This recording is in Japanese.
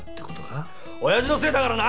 おやじのせいだからな！